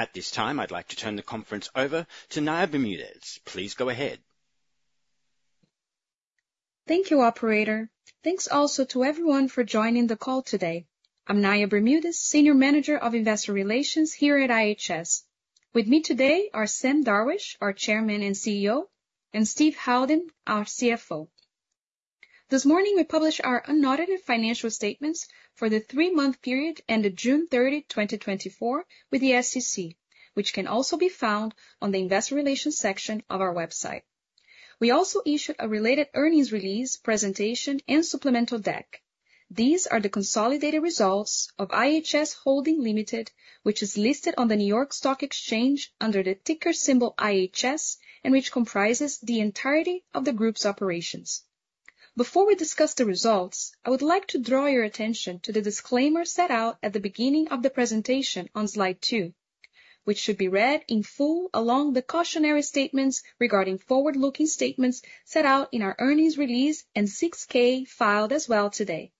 At this time, I'd like to turn the conference over to Naya Bermudez. Please go ahead. Thank you, operator. Thanks also to everyone for joining the call today. I'm Naya Bermudez, Senior Manager of Investor Relations here at IHS. With me today are Sam Darwish, our Chairman and CEO, and Steve Howden, our CFO. This morning, we published our unaudited financial statements for the three-month period ended June 30, 2024 with the SEC, which can also be found on the Investor Relations section of our website. We also issued a related earnings release, presentation, and supplemental deck. These are the consolidated results of IHS Holding Limited, which is listed on the New York Stock Exchange under the ticker symbol IHS, and which comprises the entirety of the group's operations. Before we discuss the results, I would like to draw your attention to the disclaimer set out at the beginning of the presentation on slide two, which should be read in full, along with the cautionary statements regarding forward-looking statements set out in our earnings release and 6-K filed as well today.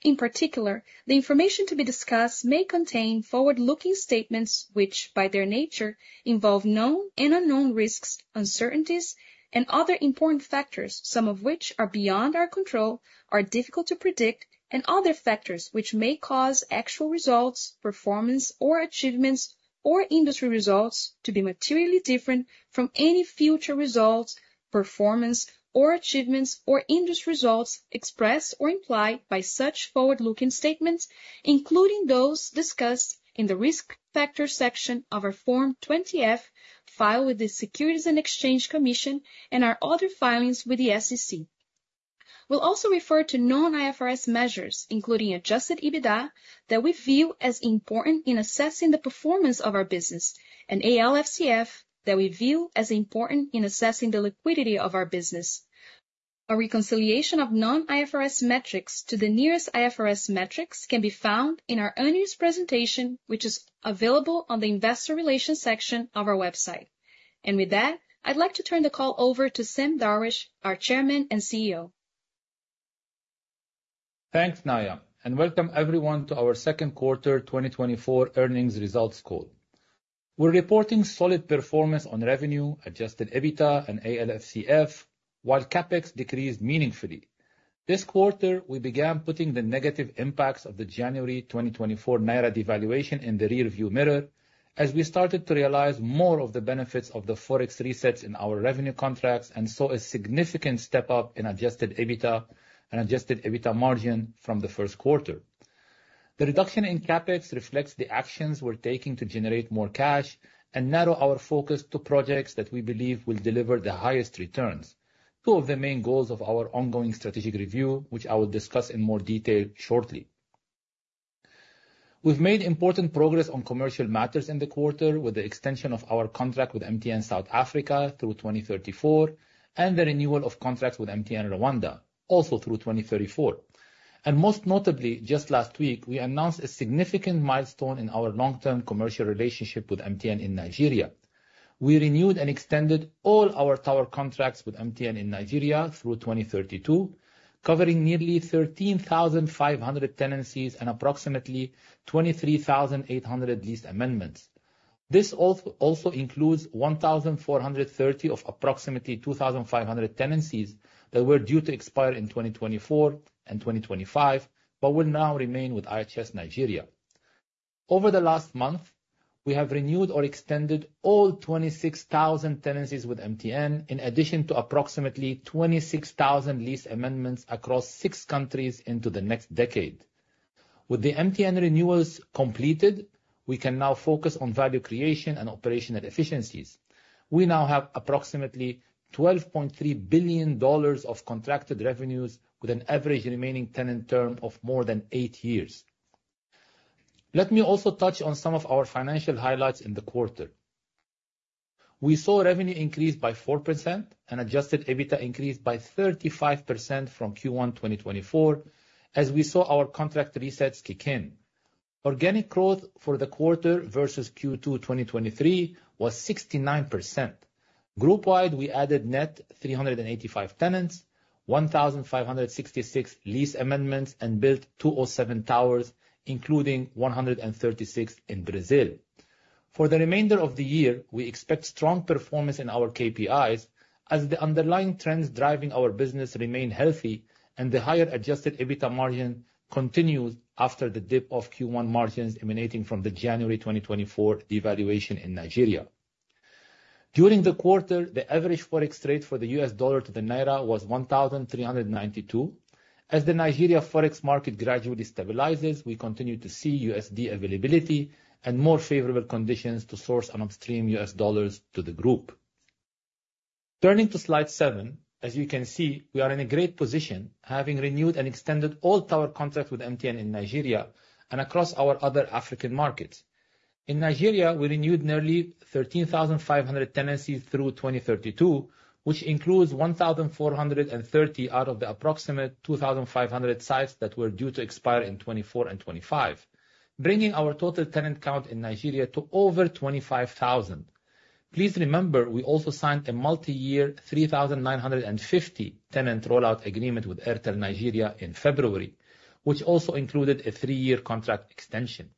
In particular, the information to be discussed may contain forward-looking statements which, by their nature, involve known and unknown risks, uncertainties, and other important factors. Some of which are beyond our control, are difficult to predict, and other factors which may cause actual results, performance or achievements, or industry results to be materially different from any future results, performance or achievements, or industry results expressed or implied by such forward-looking statements, including those discussed in the Risk Factors section of our Form 20-F, filed with the Securities and Exchange Commission, and our other filings with the SEC. We'll also refer to non-IFRS measures, including adjusted EBITDA, that we view as important in assessing the performance of our business, and ALFCF that we view as important in assessing the liquidity of our business. A reconciliation of non-IFRS metrics to the nearest IFRS metrics can be found in our earnings presentation, which is available on the Investor Relations section of our website. With that, I'd like to turn the call over to Sam Darwish, our Chairman and CEO. Thanks, Naya, and welcome everyone to our Second Quarter 2024 Earnings Results Call. We're reporting solid performance on revenue, adjusted EBITDA and ALFCF, while CapEx decreased meaningfully. This quarter, we began putting the negative impacts of the January 2024 naira devaluation in the rear-view mirror as we started to realize more of the benefits of the forex resets in our revenue contracts and saw a significant step-up in adjusted EBITDA and adjusted EBITDA margin from the first quarter. The reduction in CapEx reflects the actions we're taking to generate more cash and narrow our focus to projects that we believe will deliver the highest returns. Two of the main goals of our ongoing strategic review, which I will discuss in more detail shortly. We've made important progress on commercial matters in the quarter with the extension of our contract with MTN South Africa through 2034, and the renewal of contracts with MTN Rwanda, also through 2034. And most notably, just last week, we announced a significant milestone in our long-term commercial relationship with MTN in Nigeria. We renewed and extended all our tower contracts with MTN in Nigeria through 2032, covering nearly 13,500 tenancies and approximately 23,800 lease amendments. This also includes 1,430 of approximately 2,500 tenancies that were due to expire in 2024 and 2025, but will now remain with IHS Nigeria. Over the last month, we have renewed or extended all 26,000 tenancies with MTN, in addition to approximately 26,000 lease amendments across six countries into the next decade. With the MTN renewals completed, we can now focus on value creation and operational efficiencies. We now have approximately $12.3 billion of contracted revenues with an average remaining tenant term of more than 8 years. Let me also touch on some of our financial highlights in the quarter. We saw revenue increase by 4% and adjusted EBITDA increase by 35% from Q1 2024, as we saw our contract resets kick in. Organic growth for the quarter versus Q2 2023 was 69%. Group wide, we added net 385 tenants, 1,566 lease amendments, and built 207 towers, including 136 in Brazil. For the remainder of the year, we expect strong performance in our KPIs as the underlying trends driving our business remain healthy and the higher adjusted EBITDA margin continues after the dip of Q1 margins emanating from the January 2024 devaluation in Nigeria. During the quarter, the average forex rate for the U.S. dollar to the naira was 1,392. As the Nigeria forex market gradually stabilizes, we continue to see USD availability and more favorable conditions to source and upstream U.S. dollars to the group. Turning to slide seven, as you can see, we are in a great position, having renewed and extended all tower contracts with MTN in Nigeria and across our other African markets. In Nigeria, we renewed nearly 13,500 tenancies through 2032, which includes 1,430 out of the approximate 2,500 sites that were due to expire in 2024 and 2025, bringing our total tenant count in Nigeria to over 25,000. Please remember, we also signed a multi-year, 3,950 tenant rollout agreement with Airtel Nigeria in February, which also included a three-year contract extension.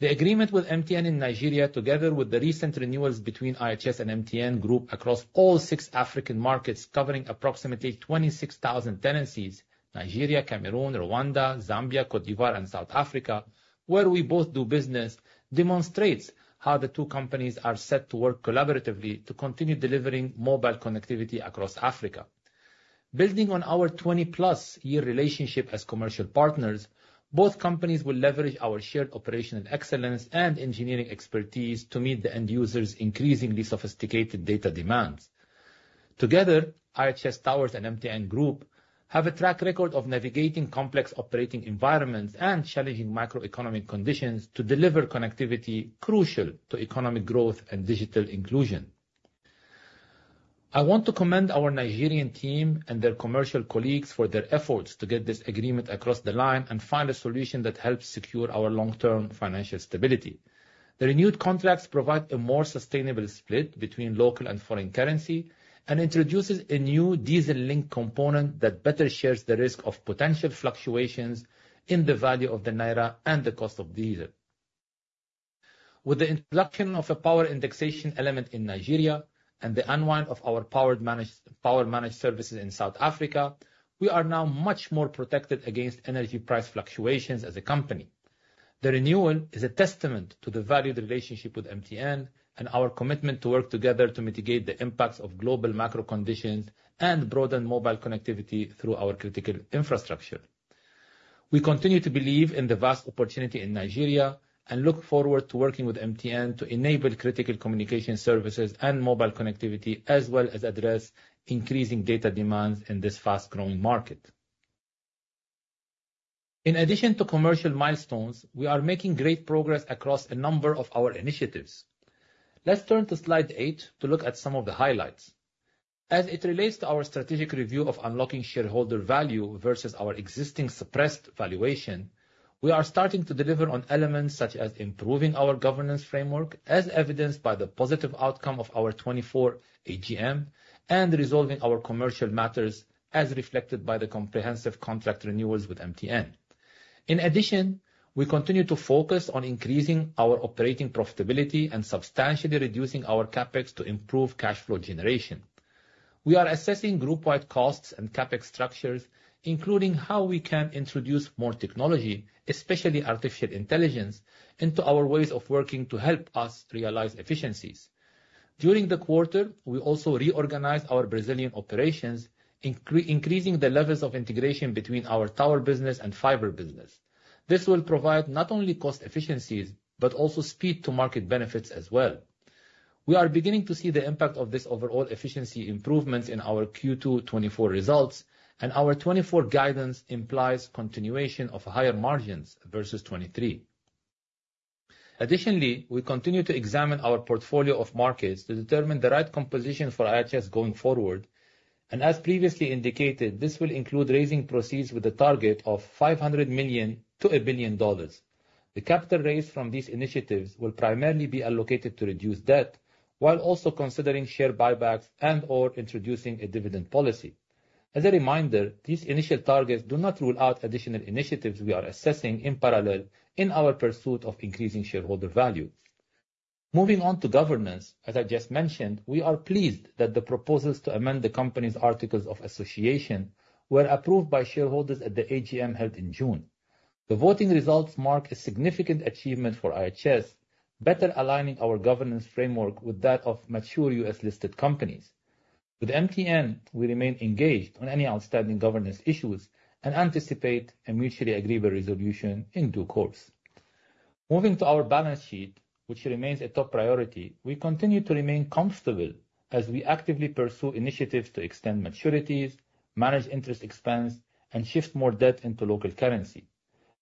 The agreement with MTN in Nigeria, together with the recent renewals between IHS and MTN Group across all six African markets, covering approximately 26,000 tenancies, Nigeria, Cameroon, Rwanda, Zambia, Côte d'Ivoire, and South Africa, where we both do business, demonstrates how the two companies are set to work collaboratively to continue delivering mobile connectivity across Africa. Building on our 20+ year relationship as commercial partners, both companies will leverage our shared operational excellence and engineering expertise to meet the end users' increasingly sophisticated data demands. Together, IHS Towers and MTN Group have a track record of navigating complex operating environments and challenging macroeconomic conditions to deliver connectivity crucial to economic growth and digital inclusion. I want to commend our Nigerian team and their commercial colleagues for their efforts to get this agreement across the line and find a solution that helps secure our long-term financial stability. The renewed contracts provide a more sustainable split between local and foreign currency and introduces a new diesel-linked component that better shares the risk of potential fluctuations in the value of the naira and the cost of diesel. With the introduction of a power indexation element in Nigeria and the unwind of our power managed services in South Africa, we are now much more protected against energy price fluctuations as a company. The renewal is a testament to the valued relationship with MTN and our commitment to work together to mitigate the impacts of global macro conditions and broaden mobile connectivity through our critical infrastructure. We continue to believe in the vast opportunity in Nigeria and look forward to working with MTN to enable critical communication services and mobile connectivity, as well as address increasing data demands in this fast-growing market. In addition to commercial milestones, we are making great progress across a number of our initiatives. Let's turn to slide eight to look at some of the highlights. As it relates to our strategic review of unlocking shareholder value versus our existing suppressed valuation, we are starting to deliver on elements such as improving our governance framework, as evidenced by the positive outcome of our 2024 AGM, and resolving our commercial matters, as reflected by the comprehensive contract renewals with MTN. In addition, we continue to focus on increasing our operating profitability and substantially reducing our CapEx to improve cash flow generation. We are assessing group-wide costs and CapEx structures, including how we can introduce more technology, especially artificial intelligence, into our ways of working to help us realize efficiencies. During the quarter, we also reorganized our Brazilian operations, increasing the levels of integration between our tower business and fiber business. This will provide not only cost efficiencies, but also speed to market benefits as well. We are beginning to see the impact of this overall efficiency improvements in our Q2 2024 results, and our 2024 guidance implies continuation of higher margins versus 2023. Additionally, we continue to examine our portfolio of markets to determine the right composition for IHS going forward, and as previously indicated, this will include raising proceeds with a target of $500 million-$1 billion. The capital raised from these initiatives will primarily be allocated to reduce debt, while also considering share buybacks and/or introducing a dividend policy. As a reminder, these initial targets do not rule out additional initiatives we are assessing in parallel in our pursuit of increasing shareholder value. Moving on to governance, as I just mentioned, we are pleased that the proposals to amend the company's articles of association were approved by shareholders at the AGM held in June. The voting results mark a significant achievement for IHS, better aligning our governance framework with that of mature U.S.-listed companies. With MTN, we remain engaged on any outstanding governance issues and anticipate a mutually agreeable resolution in due course. Moving to our balance sheet, which remains a top priority, we continue to remain comfortable as we actively pursue initiatives to extend maturities, manage interest expense, and shift more debt into local currency.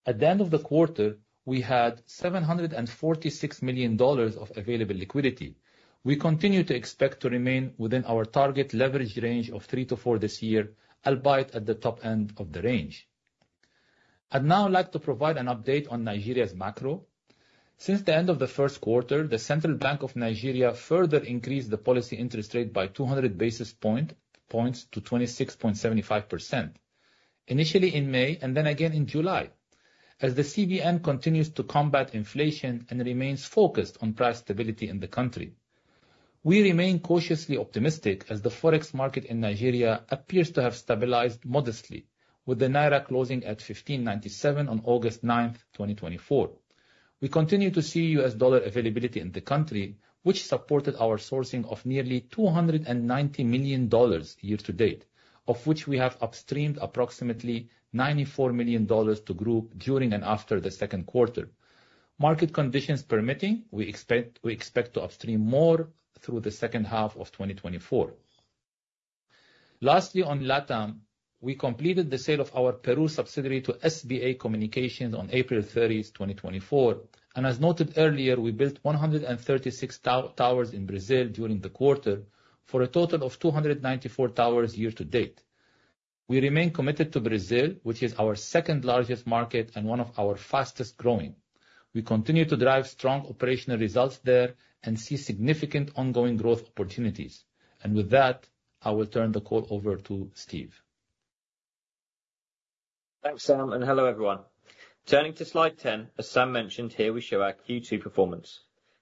At the end of the quarter, we had $746 million of available liquidity. We continue to expect to remain within our target leverage range of 3-4 this year, albeit at the top end of the range. I'd now like to provide an update on Nigeria's macro. Since the end of the first quarter, the Central Bank of Nigeria further increased the policy interest rate by 200 basis points to 26.75%, initially in May and then again in July. As the CBN continues to combat inflation and remains focused on price stability in the country, we remain cautiously optimistic as the forex market in Nigeria appears to have stabilized modestly, with the naira closing at 1,597 on August 9, 2024. We continue to see U.S. dollar availability in the country, which supported our sourcing of nearly $290 million year to date, of which we have upstreamed approximately $94 million to group during and after the second quarter. Market conditions permitting, we expect, we expect to upstream more through the second half of 2024. Lastly, on LATAM, we completed the sale of our Peru subsidiary to SBA Communications on April 30, 2024, and as noted earlier, we built 136 towers in Brazil during the quarter, for a total of 294 towers year to date. We remain committed to Brazil, which is our second largest market and one of our fastest growing. We continue to drive strong operational results there and see significant ongoing growth opportunities. And with that, I will turn the call over to Steve. Thanks, Sam, and hello, everyone. Turning to slide 10, as Sam mentioned, here we show our Q2 performance.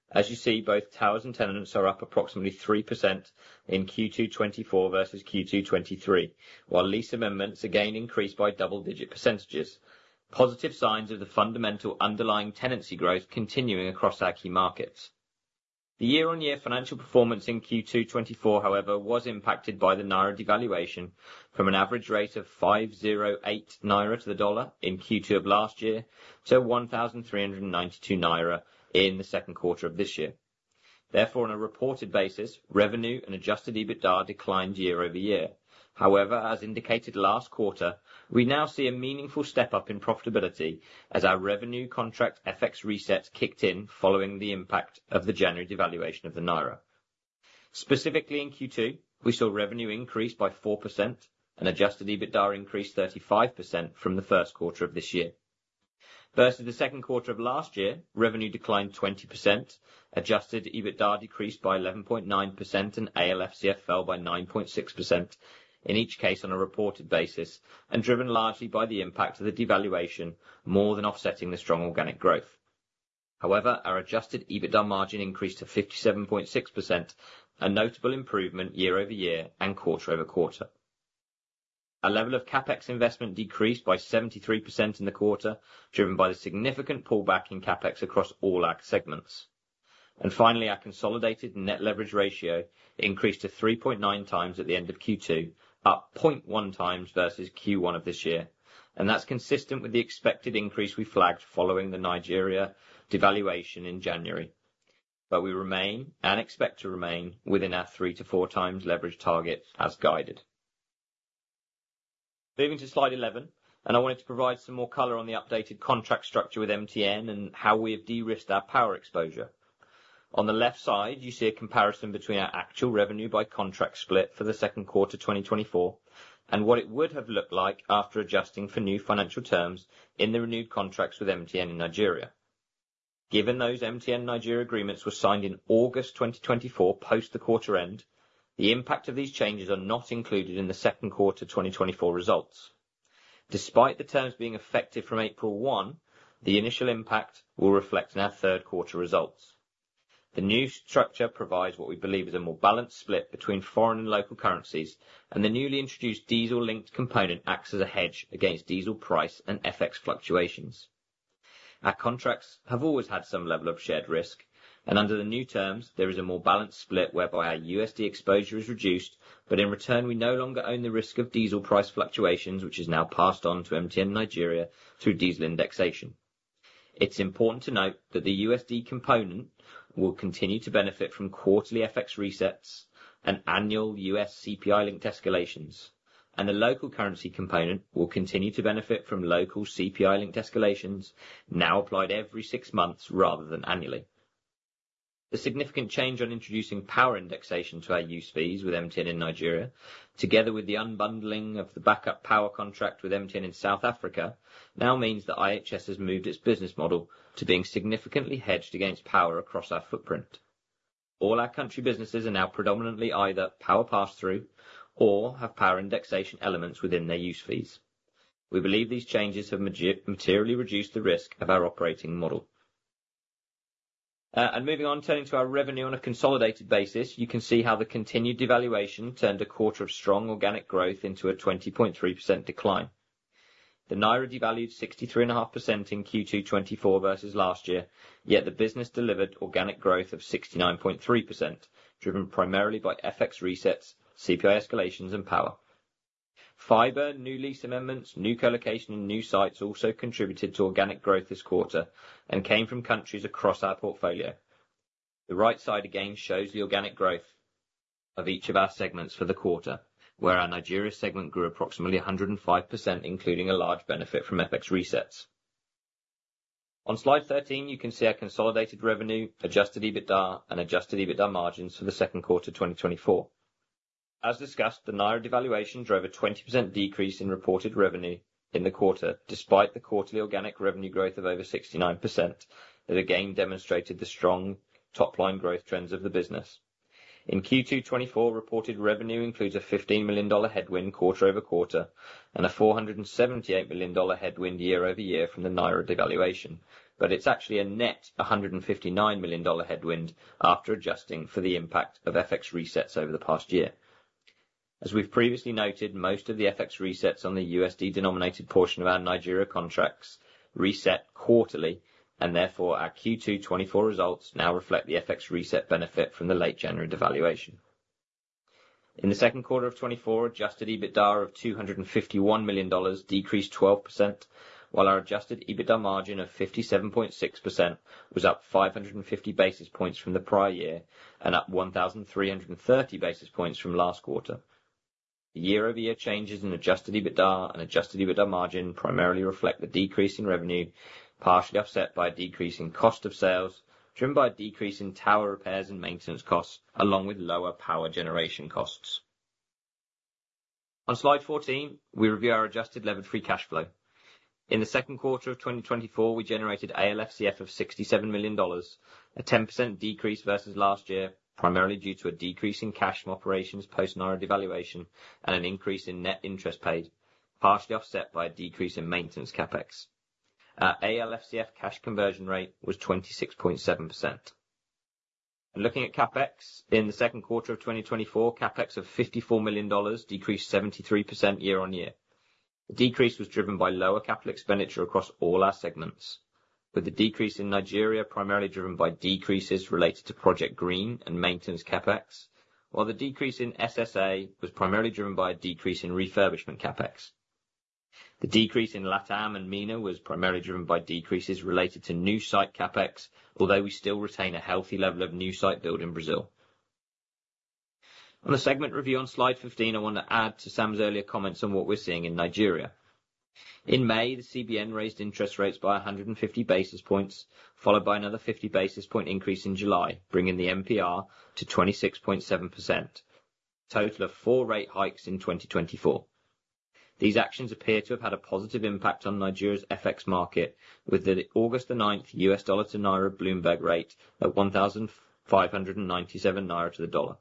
As you see, both towers and tenants are up approximately 3% in Q2 2024 versus Q2 2023, while lease amendments again increased by double-digit percentages. Positive signs of the fundamental underlying tenancy growth continuing across our key markets. The year-on-year financial performance in Q2 2024, however, was impacted by the naira devaluation from an average rate of 508 naira to the dollar in Q2 of last year, to 1,392 naira in the second quarter of this year. Therefore, on a reported basis, revenue and adjusted EBITDA declined year over year. However, as indicated last quarter, we now see a meaningful step-up in profitability as our revenue contract FX resets kicked in following the impact of the January devaluation of the naira. Specifically in Q2, we saw revenue increase by 4% and adjusted EBITDA increase 35% from the first quarter of this year. Versus the second quarter of last year, revenue declined 20%, adjusted EBITDA decreased by 11.9%, and ALFCF fell by 9.6%, in each case on a reported basis, and driven largely by the impact of the devaluation, more than offsetting the strong organic growth. However, our adjusted EBITDA margin increased to 57.6%, a notable improvement year-over-year and quarter-over-quarter. Our level of CapEx investment decreased by 73% in the quarter, driven by the significant pullback in CapEx across all our segments. Finally, our consolidated net leverage ratio increased to 3.9x at the end of Q2, up 0.1x versus Q1 of this year, and that's consistent with the expected increase we flagged following the Nigeria devaluation in January. But we remain and expect to remain within our 3x-4x leverage target as guided. Moving to slide 11, and I wanted to provide some more color on the updated contract structure with MTN and how we have de-risked our power exposure. On the left side, you see a comparison between our actual revenue by contract split for the second quarter, 2024, and what it would have looked like after adjusting for new financial terms in the renewed contracts with MTN in Nigeria. Given those MTN Nigeria agreements were signed in August 2024, post the quarter end, the impact of these changes are not included in the second quarter 2024 results. Despite the terms being effective from April 1, the initial impact will reflect in our third quarter results. The new structure provides what we believe is a more balanced split between foreign and local currencies, and the newly introduced diesel-linked component acts as a hedge against diesel price and FX fluctuations. Our contracts have always had some level of shared risk, and under the new terms, there is a more balanced split whereby our USD exposure is reduced, but in return, we no longer own the risk of diesel price fluctuations, which is now passed on to MTN Nigeria through diesel indexation. It's important to note that the USD component will continue to benefit from quarterly FX resets and annual U.S. CPI-linked escalations. The local currency component will continue to benefit from local CPI-linked escalations, now applied every six months rather than annually. The significant change on introducing power indexation to our use fees with MTN in Nigeria, together with the unbundling of the backup power contract with MTN in South Africa, now means that IHS has moved its business model to being significantly hedged against power across our footprint. All our country businesses are now predominantly either power pass-through or have power indexation elements within their use fees. We believe these changes have materially reduced the risk of our operating model. And moving on, turning to our revenue on a consolidated basis, you can see how the continued devaluation turned a quarter of strong organic growth into a 20.3% decline. The naira devalued 63.5% in Q2 2024 versus last year, yet the business delivered organic growth of 69.3%, driven primarily by FX resets, CPI escalations, and power. Fiber, new lease amendments, new colocation, and new sites also contributed to organic growth this quarter and came from countries across our portfolio. The right side again shows the organic growth of each of our segments for the quarter, where our Nigeria segment grew approximately 105%, including a large benefit from FX resets. On slide 13, you can see our consolidated revenue, adjusted EBITDA, and adjusted EBITDA margins for the second quarter 2024. As discussed, the naira devaluation drove a 20% decrease in reported revenue in the quarter, despite the quarterly organic revenue growth of over 69%, that again demonstrated the strong top-line growth trends of the business. In Q2 2024, reported revenue includes a $15 million headwind, quarter-over-quarter, and a $478 million headwind, year-over-year, from the naira devaluation, but it's actually a net $159 million headwind after adjusting for the impact of FX resets over the past year. As we've previously noted, most of the FX resets on the USD-denominated portion of our Nigeria contracts reset quarterly, and therefore, our Q2 2024 results now reflect the FX reset benefit from the late January devaluation. In the second quarter of 2024, adjusted EBITDA of $251 million decreased 12%, while our adjusted EBITDA margin of 57.6% was up 550 basis points from the prior year and up 1,330 basis points from last quarter. The year-over-year changes in adjusted EBITDA and adjusted EBITDA margin primarily reflect the decrease in revenue, partially offset by decreasing cost of sales, driven by a decrease in tower repairs and maintenance costs, along with lower power generation costs. On slide 14, we review our adjusted levered free cash flow. In the second quarter of 2024, we generated ALFCF of $67 million, a 10% decrease versus last year, primarily due to a decrease in cash from operations post-naira devaluation and an increase in net interest paid, partially offset by a decrease in maintenance CapEx. Our ALFCF cash conversion rate was 26.7%. Looking at CapEx, in the second quarter of 2024, CapEx of $54 million decreased 73% year-on-year. The decrease was driven by lower capital expenditure across all our segments, with the decrease in Nigeria primarily driven by decreases related to Project Green and maintenance CapEx, while the decrease in SSA was primarily driven by a decrease in refurbishment CapEx. The decrease in LATAM and MENA was primarily driven by decreases related to new site CapEx, although we still retain a healthy level of new site build in Brazil. On the segment review on slide 15, I want to add to Sam's earlier comments on what we're seeing in Nigeria. In May, the CBN raised interest rates by 150 basis points, followed by another 50 basis point increase in July, bringing the MPR to 26.7%, a total of four rate hikes in 2024. These actions appear to have had a positive impact on Nigeria's FX market, with the August 9 U.S. dollar to naira Bloomberg rate at 1,597 naira to the dollar.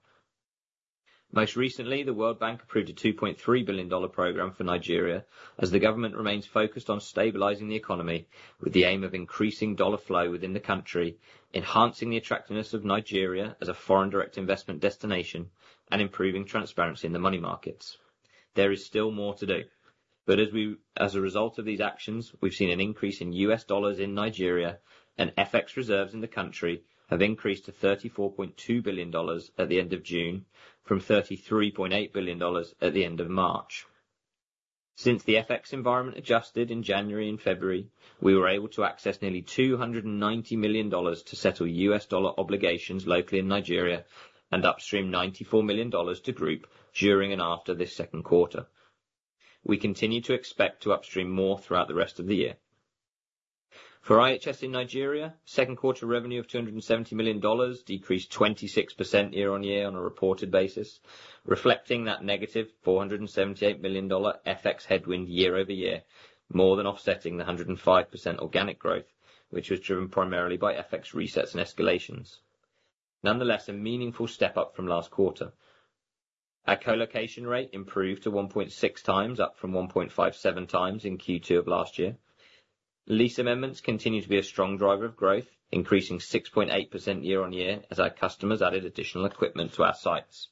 Most recently, the World Bank approved a $2.3 billion program for Nigeria, as the government remains focused on stabilizing the economy, with the aim of increasing dollar flow within the country, enhancing the attractiveness of Nigeria as a foreign direct investment destination, and improving transparency in the money markets. There is still more to do, but as a result of these actions, we've seen an increase in U.S. dollars in Nigeria, and FX reserves in the country have increased to $34.2 billion at the end of June, from $33.8 billion at the end of March. Since the FX environment adjusted in January and February, we were able to access nearly $290 million to settle U.S. dollar obligations locally in Nigeria, and upstream $94 million to group during and after this second quarter. We continue to expect to upstream more throughout the rest of the year. For IHS in Nigeria, second quarter revenue of $270 million decreased 26% year-on-year on a reported basis, reflecting that -$478 million FX headwind year-over-year, more than offsetting the 105% organic growth, which was driven primarily by FX resets and escalations. Nonetheless, a meaningful step up from last quarter. Our colocation rate improved to 1.6x, up from 1.57x in Q2 of last year. Lease amendments continue to be a strong driver of growth, increasing 6.8% year-on-year, as our customers added additional equipment to our sites.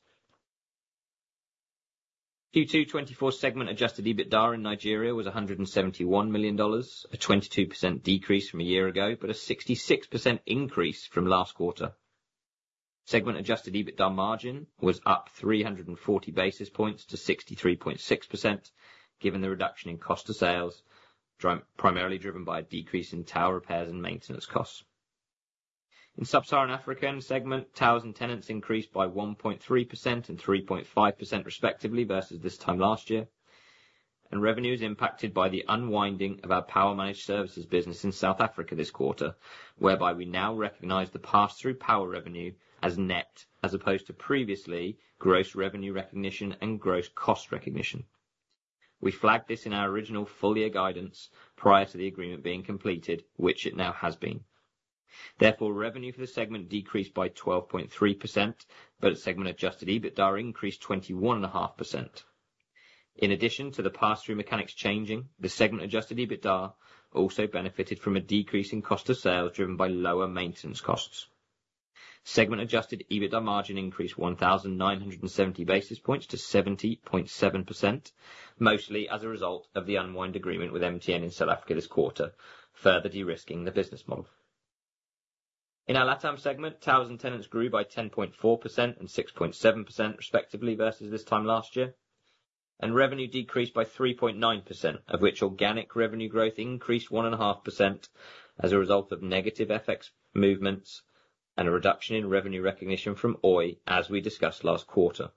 Q2 2024 segment adjusted EBITDA in Nigeria was $171 million, a 22% decrease from a year ago, but a 66% increase from last quarter. Segment adjusted EBITDA margin was up 340 basis points to 63.6%, given the reduction in cost of sales, primarily driven by a decrease in tower repairs and maintenance costs. In Sub-Saharan African segment, towers and tenants increased by 1.3% and 3.5% respectively, versus this time last year. Revenue is impacted by the unwinding of our Power Managed Services business in South Africa this quarter, whereby we now recognize the pass-through power revenue as net, as opposed to previously, gross revenue recognition and gross cost recognition. We flagged this in our original full-year guidance prior to the agreement being completed, which it now has been. Therefore, revenue for the segment decreased by 12.3%, but segment adjusted EBITDA increased 21.5%. In addition to the pass-through mechanics changing, the segment adjusted EBITDA also benefited from a decrease in cost of sales driven by lower maintenance costs. Segment adjusted EBITDA margin increased 1,970 basis points to 70.7%, mostly as a result of the unwind agreement with MTN in South Africa this quarter, further de-risking the business model. In our LATAM segment, towers and tenants grew by 10.4% and 6.7%, respectively, versus this time last year, and revenue decreased by 3.9%, of which organic revenue growth increased 1.5% as a result of negative FX movements and a reduction in revenue recognition from Oi, as we discussed last quarter.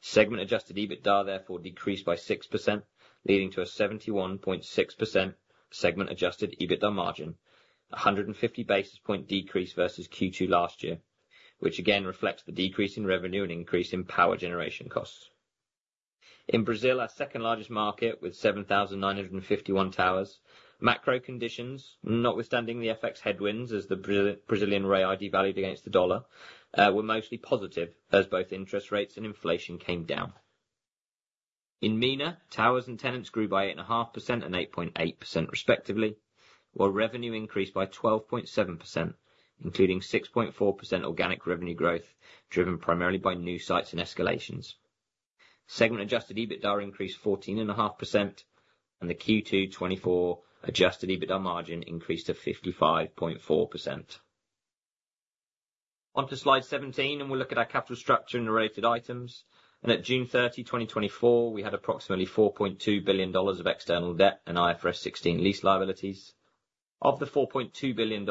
Segment adjusted EBITDA, therefore, decreased by 6%, leading to a 71.6% segment adjusted EBITDA margin, a 150 basis point decrease versus Q2 last year, which again reflects the decrease in revenue and increase in power generation costs. In Brazil, our second-largest market with 7,951 towers, macro conditions, notwithstanding the FX headwinds as the Brazilian real devalued against the dollar, were mostly positive as both interest rates and inflation came down. In MENA, towers and tenants grew by 8.5% and 8.8%, respectively, while revenue increased by 12.7%, including 6.4% organic revenue growth, driven primarily by new sites and escalations. Segment adjusted EBITDA increased 14.5%, and the Q2 2024 adjusted EBITDA margin increased to 55.4%. On to slide 17, and we'll look at our capital structure and related items. At June 30, 2024, we had approximately $4.2 billion of external debt and IFRS 16 lease liabilities. Of the $4.2 billion,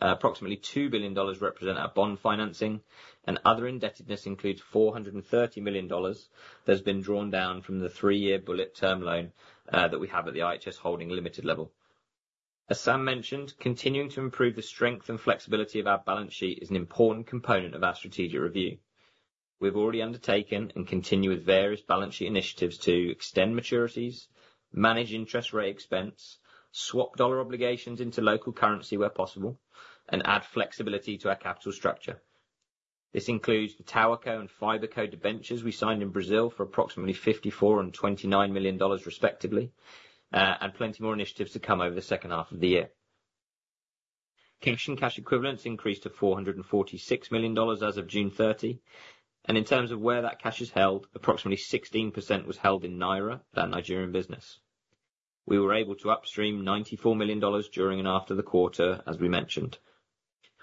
approximately $2 billion represent our bond financing, and other indebtedness includes $430 million that's been drawn down from the three-year bullet term loan that we have at the IHS Holding Limited level. As Sam mentioned, continuing to improve the strength and flexibility of our balance sheet is an important component of our strategic review. We've already undertaken and continue with various balance sheet initiatives to extend maturities, manage interest rate expense, swap dollar obligations into local currency where possible, and add flexibility to our capital structure. This includes the TowerCo and FiberCo debentures we signed in Brazil for approximately $54 million and $29 million respectively, and plenty more initiatives to come over the second half of the year. Cash and cash equivalents increased to $446 million as of June 30, and in terms of where that cash is held, approximately 16% was held in naira, our Nigerian business. We were able to upstream $94 million during and after the quarter, as we mentioned.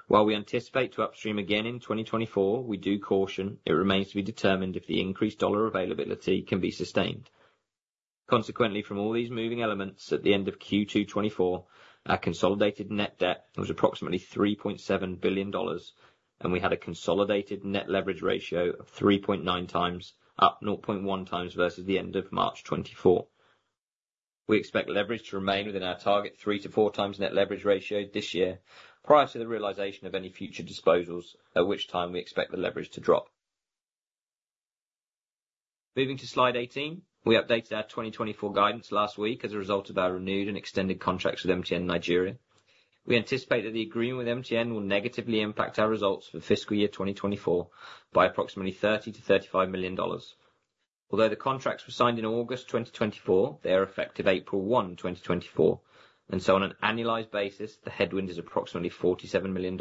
While we anticipate to upstream again in 2024, we do caution it remains to be determined if the increased dollar availability can be sustained. Consequently, from all these moving elements, at the end of Q2 2024, our consolidated net debt was approximately $3.7 billion, and we had a consolidated net leverage ratio of 3.9x, up 0.1x versus the end of March 2024. We expect leverage to remain within our target 3x-4x net leverage ratio this year, prior to the realization of any future disposals, at which time we expect the leverage to drop. Moving to slide 18. We updated our 2024 guidance last week as a result of our renewed and extended contracts with MTN Nigeria. We anticipate that the agreement with MTN will negatively impact our results for fiscal year 2024 by approximately $30 million-$35 million. Although the contracts were signed in August 2024, they are effective April 1, 2024, and so on an annualized basis, the headwind is approximately $47 million.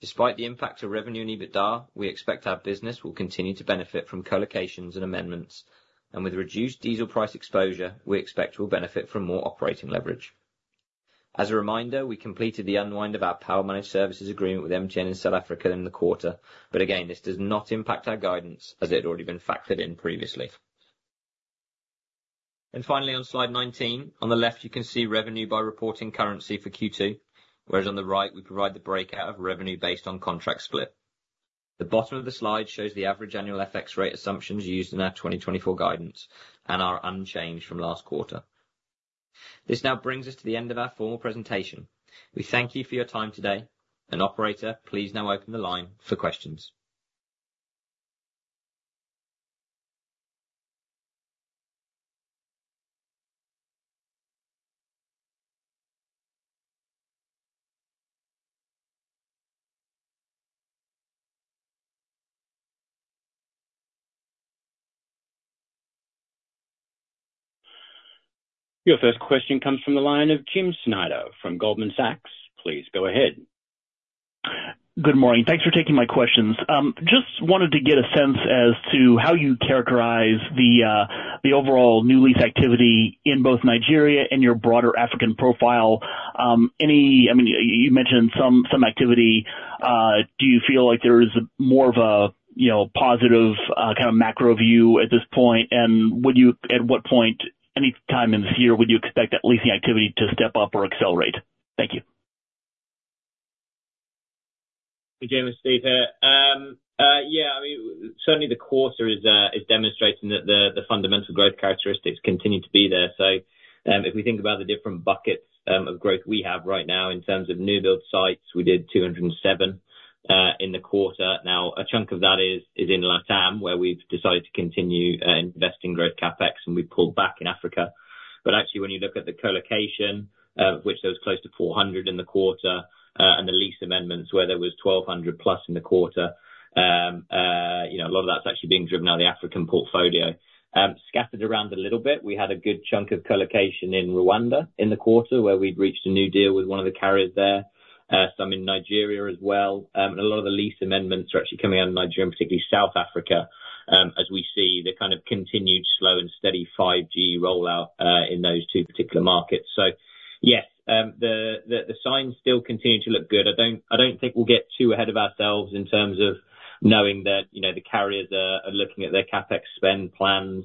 Despite the impact to revenue and EBITDA, we expect our business will continue to benefit from co-locations and amendments, and with reduced diesel price exposure, we expect we'll benefit from more operating leverage. As a reminder, we completed the unwind of our power managed services agreement with MTN in South Africa in the quarter. But again, this does not impact our guidance as it had already been factored in previously. And finally, on slide 19, on the left, you can see revenue by reporting currency for Q2, whereas on the right, we provide the breakout of revenue based on contract split. The bottom of the slide shows the average annual FX rate assumptions used in our 2024 guidance and are unchanged from last quarter. This now brings us to the end of our formal presentation. We thank you for your time today, and operator, please now open the line for questions. Your first question comes from the line of Jim Schneider from Goldman Sachs. Please go ahead. Good morning. Thanks for taking my questions. Just wanted to get a sense as to how you characterize the overall new lease activity in both Nigeria and your broader African profile. I mean, you mentioned some activity. Do you feel like there is more of a, you know, positive kind of macro view at this point? And at what point, any time in this year, would you expect that leasing activity to step up or accelerate? Thank you. Hey, Jim, it's Steve here. Yeah, I mean, certainly the quarter is demonstrating that the fundamental growth characteristics continue to be there. So, if we think about the different buckets of growth we have right now in terms of new build sites, we did 207 in the quarter. Now, a chunk of that is in LATAM, where we've decided to continue investing growth CapEx, and we pulled back in Africa. But actually, when you look at the co-location, which there was close to 400 in the quarter, and the lease amendments, where there was 1,200+ in the quarter, you know, a lot of that's actually being driven out of the African portfolio. Scattered around a little bit, we had a good chunk of colocation in Rwanda in the quarter, where we'd reached a new deal with one of the carriers there, some in Nigeria as well. And a lot of the lease amendments are actually coming out of Nigeria, and particularly South Africa, as we see the kind of continued slow and steady 5G rollout, in those two particular markets. So yes, the signs still continue to look good. I don't think we'll get too ahead of ourselves in terms of knowing that, you know, the carriers are looking at their CapEx spend plans,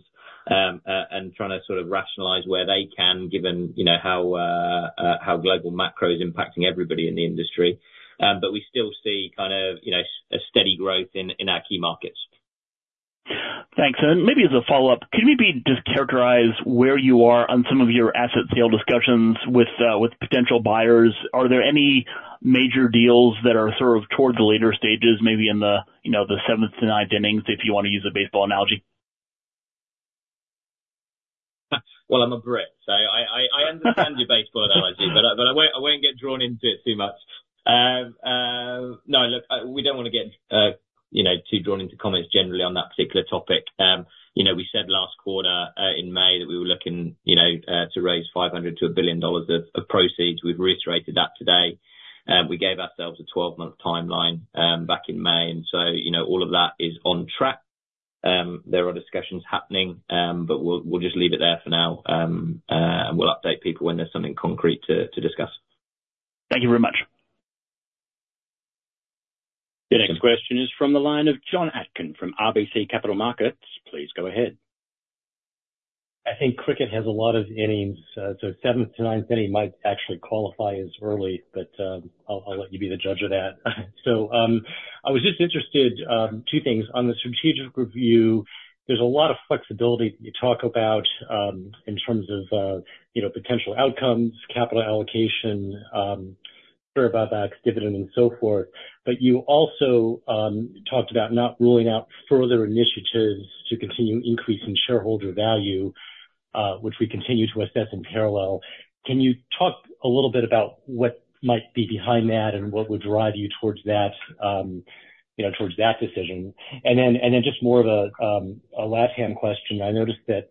and trying to sort of rationalize where they can, given, you know, how global macro is impacting everybody in the industry. We still see kind of, you know, a steady growth in our key markets. Thanks. Maybe as a follow-up, can you maybe just characterize where you are on some of your asset sale discussions with potential buyers? Are there any major deals that are sort of towards the later stages, maybe in the, you know, the seventh to ninth innings, if you want to use a baseball analogy? Well, I'm a Brit, so I understand your baseball analogy, but I won't get drawn into it too much. No, look, we don't want to get, you know, too drawn into comments generally on that particular topic. You know, we said last quarter in May that we were looking, you know, to raise $500 million-$1 billion of proceeds. We've reiterated that today. We gave ourselves a 12-month timeline back in May. And so, you know, all of that is on track. There are discussions happening, but we'll just leave it there for now. And we'll update people when there's something concrete to discuss. Thank you very much. The next question is from the line of Jon Atkin from RBC Capital Markets. Please go ahead. I think cricket has a lot of innings, so seventh to ninth inning might actually qualify as early, but, I'll let you be the judge of that. So, I was just interested, two things. On the strategic review, there's a lot of flexibility you talk about, in terms of, you know, potential outcomes, capital allocation, share buybacks, dividend, and so forth, but you also, talked about not ruling out further initiatives to continue increasing shareholder value, which we continue to assess in parallel. Can you talk a little bit about what might be behind that and what would drive you towards that, you know, towards that decision? And then just more of a LATAM question. I noticed that,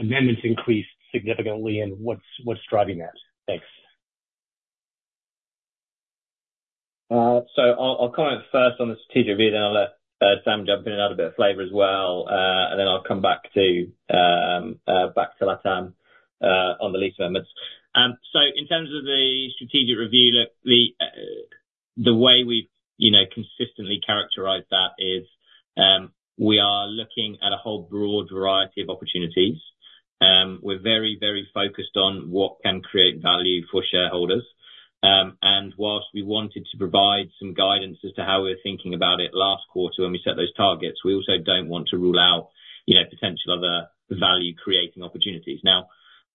amendments increased significantly, and what's driving that? Thanks. So I'll comment first on the strategic review, then I'll let Sam jump in and add a bit of flavor as well, and then I'll come back to LATAM on the lease amendments. So in terms of the strategic review, look, the way we've, you know, consistently characterized that is, we are looking at a whole broad variety of opportunities. We're very, very focused on what can create value for shareholders. And whilst we wanted to provide some guidance as to how we're thinking about it last quarter when we set those targets, we also don't want to rule out, you know, potential other value-creating opportunities. Now,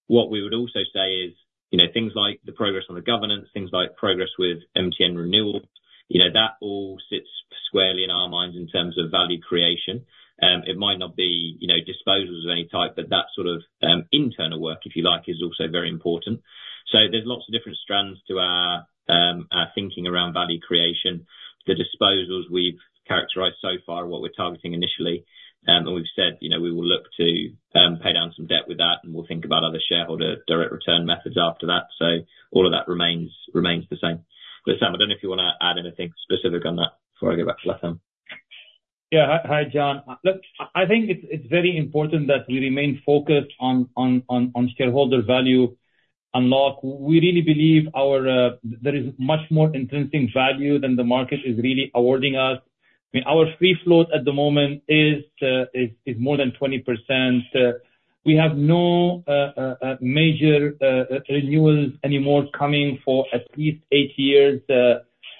what we would also say is, you know, things like the progress on the governance, things like progress with MTN renewals, you know, that all sits squarely in our minds in terms of value creation. It might not be, you know, disposals of any type, but that sort of, internal work, if you like, is also very important. So there's lots of different strands to our, our thinking around value creation. The disposals we've characterized so far, what we're targeting initially, and we've said, you know, we will look to, pay down some debt with that, and we'll think about other shareholder direct return methods after that. So all of that remains the same. But Sam, I don't know if you wanna add anything specific on that before I go back to LATAM. Yeah. Hi, hi, Jon. Look, I think it's very important that we remain focused on shareholder value unlock. We really believe there is much more intrinsic value than the market is really awarding us. I mean, our free float at the moment is more than 20%. We have no major renewals anymore coming for at least 8 years.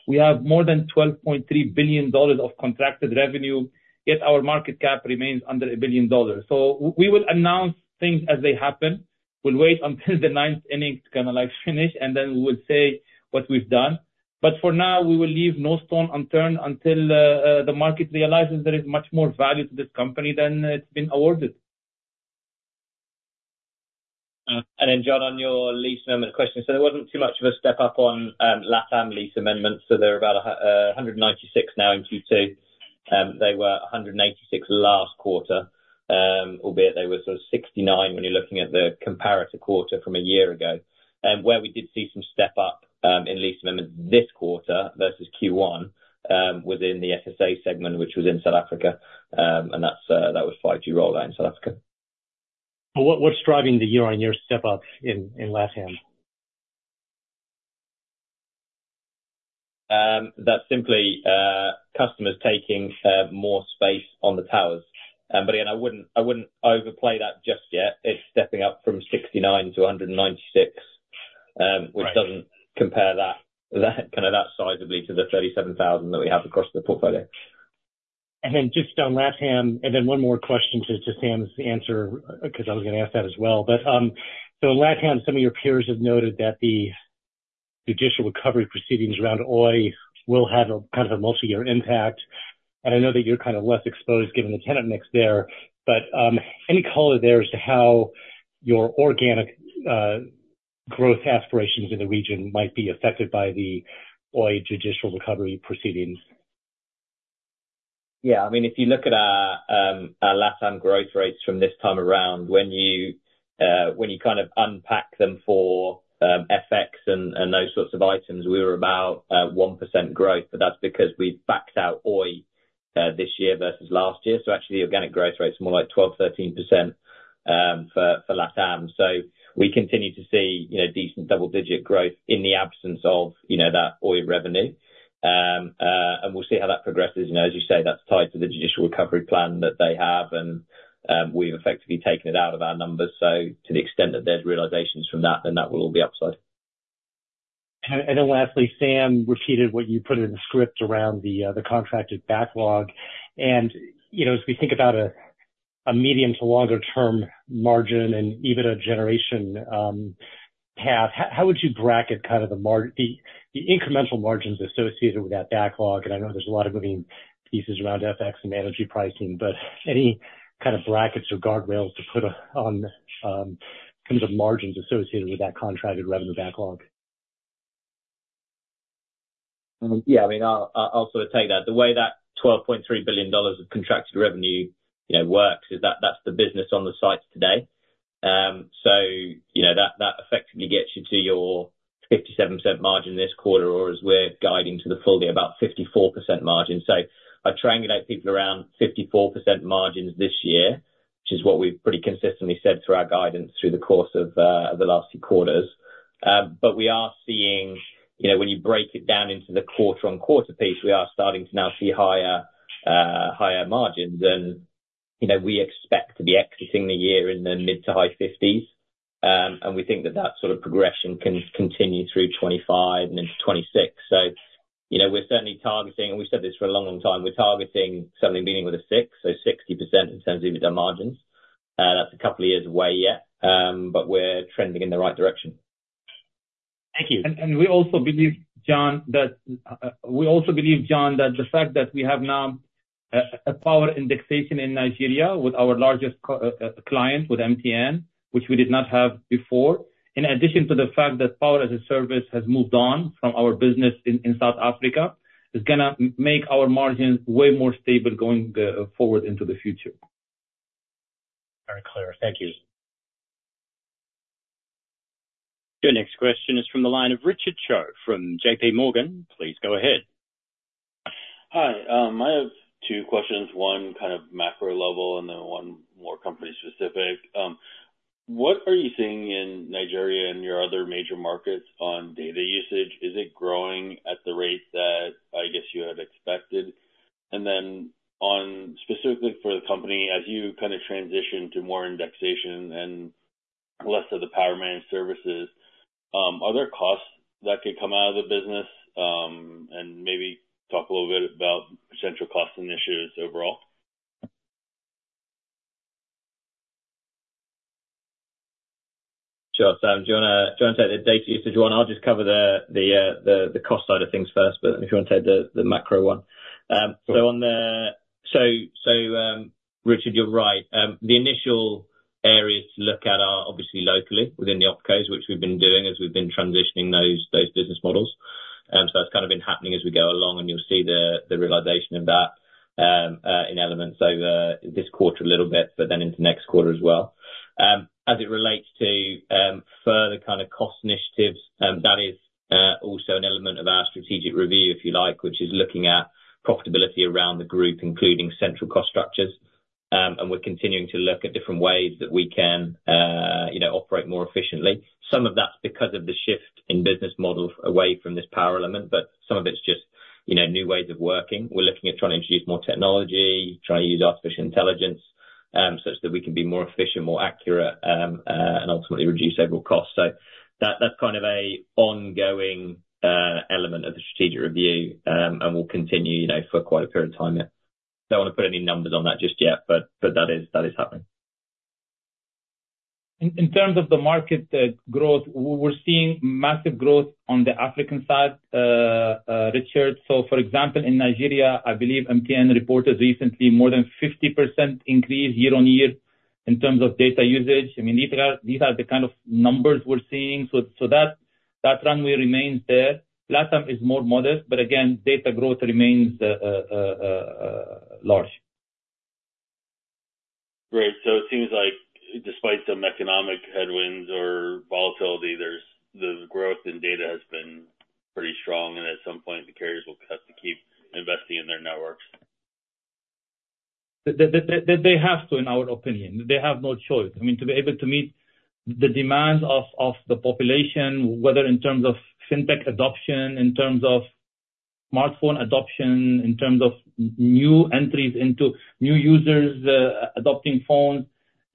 We have more than $12.3 billion of contracted revenue, yet our market cap remains under $1 billion. So we will announce things as they happen. We'll wait until the ninth inning to kind of like finish, and then we will say what we've done. But for now, we will leave no stone unturned until the market realizes there is much more value to this company than it's been awarded. Then, Jon, on your lease amendment question, so there wasn't too much of a step-up on LATAM lease amendments, so there are about 196 now in Q2. There were 186 last quarter, albeit there were sort of 69 when you're looking at the comparator quarter from a year ago. Where we did see some step-up in lease amendments this quarter versus Q1 within the SSA segment, which was in South Africa, and that's, that was 5G rollout in South Africa. What, what's driving the year-on-year step-up in, in LATAM? That's simply customers taking more space on the towers. But again, I wouldn't overplay that just yet. It's stepping up from 69 to 196 which doesn't compare that kind of sizably to the 37,000 that we have across the portfolio. And then just on LATAM, and then one more question to Sam's answer, 'cause I was gonna ask that as well. But, so in LATAM, some of your peers have noted that the judicial recovery proceedings around Oi will have a kind of a multi-year impact, and I know that you're kind of less exposed, given the tenant mix there, but, any color there as to how your organic growth aspirations in the region might be affected by the Oi judicial recovery proceedings? Yeah. I mean, if you look at our, our LATAM growth rates from this time around, when you, when you kind of unpack them for, FX and, and those sorts of items, we were about, 1% growth, but that's because we've backed out Oi, this year versus last year. So actually, organic growth rates are more like 12%-13%, for LATAM. So we continue to see, you know, decent double-digit growth in the absence of, you know, that Oi revenue. And we'll see how that progresses. You know, as you say, that's tied to the judicial recovery plan that they have, and, we've effectively taken it out of our numbers. So to the extent that there's realizations from that, then that will all be upside. And then lastly, Sam repeated what you put in the script around the contracted backlog. And, you know, as we think about a medium to longer term margin and even a generation path, how would you bracket kind of the the incremental margins associated with that backlog? And I know there's a lot of moving pieces around FX and energy pricing, but any kind of brackets or guardrails to put on in terms of margins associated with that contracted revenue backlog? Yeah, I mean, I'll sort of take that. The way that $12.3 billion of contracted revenue, you know, works, is that, that's the business on the sites today. So you know, that effectively gets you to your 57% margin this quarter, or as we're guiding to the full year, about 54% margin. So I triangulate people around 54% margins this year, which is what we've pretty consistently said through our guidance through the course of the last few quarters. But we are seeing, you know, when you break it down into the quarter-on-quarter piece, we are starting to now see higher margins. And, you know, we expect to be exiting the year in the mid- to high 50s. And we think that that sort of progression can continue through 2025 and into 2026. So, you know, we're certainly targeting, and we've said this for a long, long time, we're targeting certainly beginning with 60% in terms of the margins. That's a couple of years away yet, but we're trending in the right direction. Thank you. And we also believe, Jon, that the fact that we have now a power indexation in Nigeria with our largest client, with MTN, which we did not have before, in addition to the fact that power as a service has moved on from our business in South Africa, is gonna make our margins way more stable going forward into the future. Very clear. Thank you. Your next question is from the line of Richard Choe from JPMorgan. Please go ahead. Hi, I have two questions, one kind of macro level, and then one more company specific. What are you seeing in Nigeria and your other major markets on data usage? Is it growing at the rate that I guess you had expected? And then on, specifically for the company, as you kind of transition to more indexation and less of the Power Managed Services, are there costs that could come out of the business? And maybe talk a little bit about central cost initiatives overall. Sure, Sam, do you wanna, do you wanna take the data usage one? I'll just cover the cost side of things first, but if you want to take the macro one. Richard, you're right. The initial areas to look at are obviously locally, within the opcos, which we've been doing as we've been transitioning those business models. So that's kind of been happening as we go along, and you'll see the realization of that in elements over this quarter a little bit, but then into next quarter as well. As it relates to further kind of cost initiatives, that is also an element of our strategic review, if you like, which is looking at profitability around the group, including central cost structures. And we're continuing to look at different ways that we can, you know, operate more efficiently. Some of that's because of the shift in business model away from this power element, but some of it's just, you know, new ways of working. We're looking at trying to introduce more technology, trying to use artificial intelligence, such that we can be more efficient, more accurate, and ultimately reduce overall costs. So that's kind of an ongoing element of the strategic review, and will continue, you know, for quite a period of time yet. Don't want to put any numbers on that just yet, but, but that is, that is happening. In terms of the market growth, we're seeing massive growth on the African side, Richard. So, for example, in Nigeria, I believe MTN reported recently more than 50% increase year-on-year in terms of data usage. I mean, these are the kind of numbers we're seeing. So that runway remains there. LATAM is more modest, but again, data growth remains large. Great. So it seems like despite some economic headwinds or volatility, there's the growth in data has been pretty strong, and at some point, the carriers will have to keep investing in their networks. They have to, in our opinion, they have no choice. I mean, to be able to meet the demands of the population, whether in terms of fintech adoption, in terms of smartphone adoption, in terms of new entries into new users, adopting phones,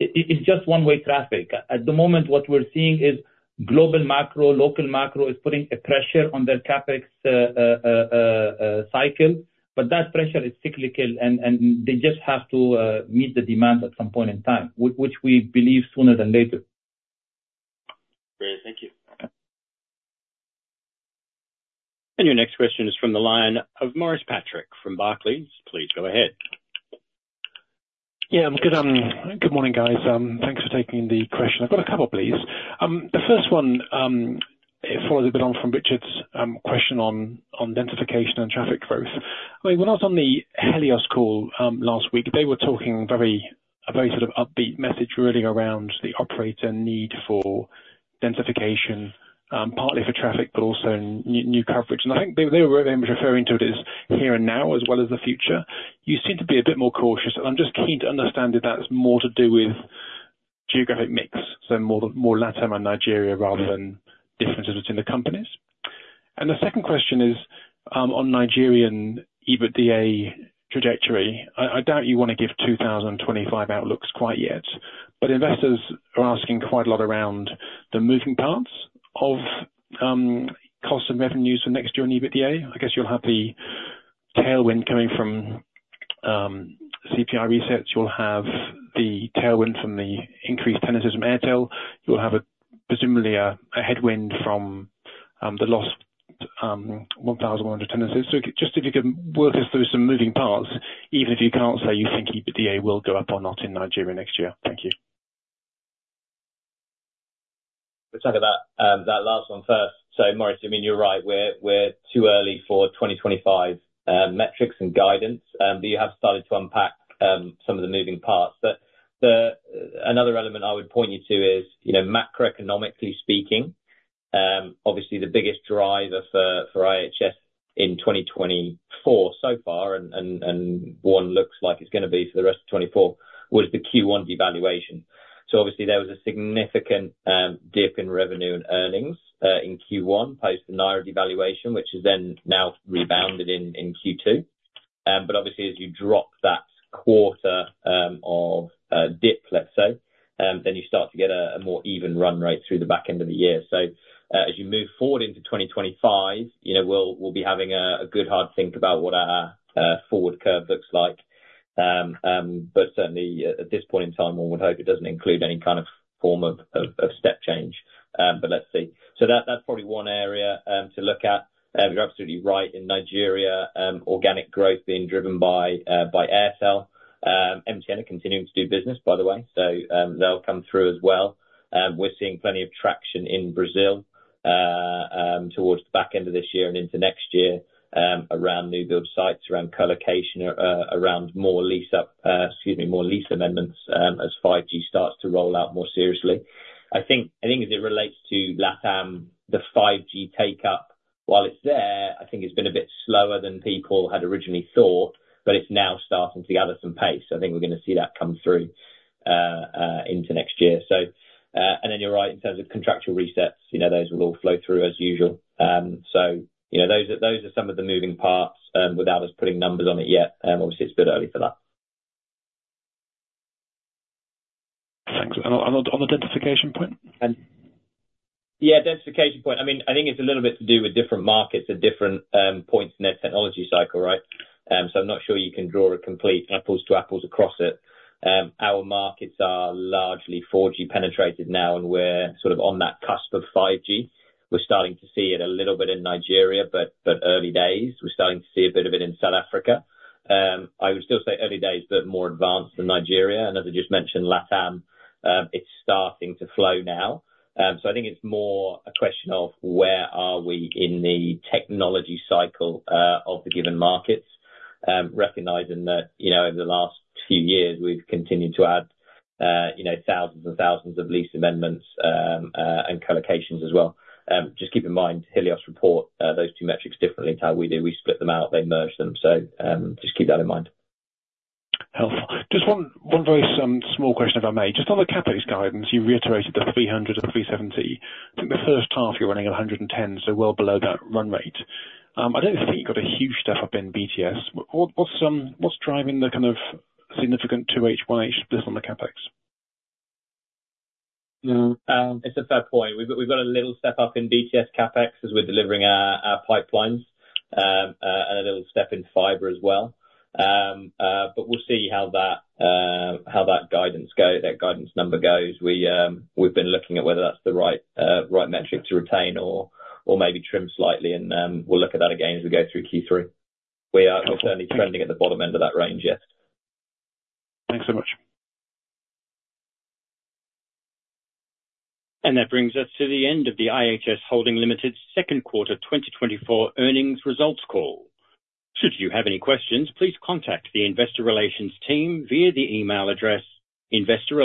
it's just one-way traffic. At the moment, what we're seeing is global macro, local macro, is putting a pressure on the CapEx cycle, but that pressure is cyclical and they just have to meet the demand at some point in time, which we believe sooner than later. Great, thank you. And your next question is from the line of Maurice Patrick from Barclays. Please go ahead. Yeah, good morning, guys. Thanks for taking the question. I've got a couple, please. The first one follows a bit on from Richard's question on densification and traffic growth. I mean, when I was on the Helios call last week, they were talking a very sort of upbeat message, really around the operator need for densification, partly for traffic, but also new coverage. And I think they were referring to it as here and now, as well as the future. You seem to be a bit more cautious, and I'm just keen to understand if that's more to do with geographic mix, so more LATAM and Nigeria, rather than differences between the companies. And the second question is on Nigerian EBITDA trajectory. I doubt you want to give 2025 outlooks quite yet, but investors are asking quite a lot around the moving parts of cost of revenues for next year on EBITDA. I guess you'll have the tailwind coming from CPI resets. You'll have the tailwind from the increased tenancies from Airtel. You'll have a, presumably a headwind from the last 1,100 tenancies. So just if you can walk us through some moving parts, even if you can't say you think EBITDA will go up or not in Nigeria next year. Thank you. We'll talk about that last one first. So Maurice, I mean, you're right, we're too early for 2025 metrics and guidance, but you have started to unpack some of the moving parts. But another element I would point you to is, you know, macroeconomically speaking, obviously the biggest driver for IHS in 2024 so far, and one looks like it's gonna be for the rest of 2024, was the Q1 devaluation. So obviously there was a significant dip in revenue and earnings in Q1 post the naira devaluation, which has then now rebounded in Q2. But obviously as you drop that quarter of dip, let's say, then you start to get a more even run rate through the back end of the year. So as you move forward into 2025, you know, we'll be having a good, hard think about what our forward curve looks like. But certainly, at this point in time, one would hope it doesn't include any kind of form of step change, but let's see. So that's probably one area to look at. You're absolutely right, in Nigeria, organic growth being driven by Airtel. MTN are continuing to do business, by the way, so they'll come through as well. We're seeing plenty of traction in Brazil towards the back end of this year and into next year around new build sites, around colocation, around more lease up, excuse me, more lease amendments, as 5G starts to roll out more seriously. I think as it relates to LATAM, the 5G take-up, while it's there, I think it's been a bit slower than people had originally thought, but it's now starting to gather some pace. So I think we're gonna see that come through into next year. So, and then you're right, in terms of contractual resets, you know, those will all flow through as usual. So, you know, those are, those are some of the moving parts, without us putting numbers on it yet, obviously, it's a bit early for that. Thanks. On the densification point? Yeah, densification point. I mean, I think it's a little bit to do with different markets at different points in their technology cycle, right? So I'm not sure you can draw a complete apples to apples across it. Our markets are largely 4G penetrated now, and we're sort of on that cusp of 5G. We're starting to see it a little bit in Nigeria, but, but early days. We're starting to see a bit of it in South Africa. I would still say early days, but more advanced than Nigeria, and as I just mentioned, LATAM, it's starting to flow now. So I think it's more a question of, where are we in the technology cycle, of the given markets? Recognizing that, you know, over the last few years, we've continued to add, you know, thousands and thousands of lease amendments, and colocations as well. Just keep in mind, Helios reports those two metrics differently to how we do. We split them out, they merge them. Just keep that in mind. Helpful. Just one very small question, if I may. Just on the CapEx guidance, you reiterated the $300 million-$370 million. I think the first half, you're running at $110, so well below that run rate. I don't think you've got a huge step up in BTS. What's driving the kind of significant 2H, 1H split on the CapEx? It's a fair point. We've, we've got a little step up in BTS CapEx, as we're delivering our, our pipelines, and a little step in fiber as well. But we'll see how that, how that guidance go, that guidance number goes. We, we've been looking at whether that's the right, right metric to retain or, or maybe trim slightly, and, we'll look at that again as we go through Q3. We are certainly trending at the bottom end of that range, yes. Thanks so much. And that brings us to the end of the IHS Holding Limited Second Quarter 2024 Earnings Results Call. Should you have any questions, please contact the investor relations team via the email address, investor.